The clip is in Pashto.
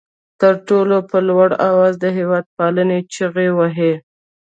تر ټولو په لوړ آواز د هېواد پالنې چغې وهي.